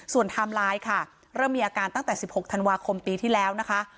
ไทม์ไลน์ค่ะเริ่มมีอาการตั้งแต่๑๖ธันวาคมปีที่แล้วนะคะ